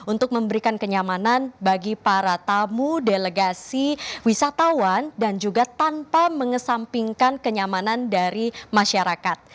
untuk memberikan kenyamanan bagi para tamu delegasi wisatawan dan juga tanpa mengesampingkan kenyamanan dari masyarakat